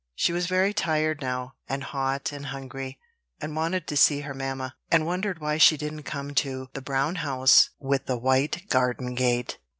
She was very tired now, and hot and hungry, and wanted to see mamma, and wondered why she didn't come to the brown house with the white garden gate.